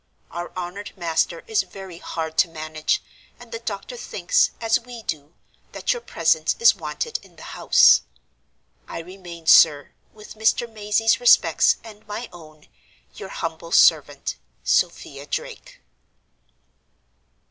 Our honored master is very hard to manage; and the doctor thinks, as we do, that your presence is wanted in the house. "I remain, sir, with Mr. Mazey's respects and my own, your humble servant, "SOPHIA DRAKE."